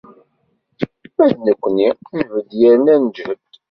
Ma d nekkni, nbedd yerna neǧhed.